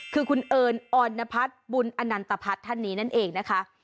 คือคุณเอิญออนพัฒน์บุญอนันตพัฒน์ท่านนี้นั่นเองนะคะ